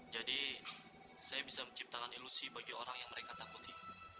jadi saya bisa menciptakan ilusi bagi orang yang mereka takuti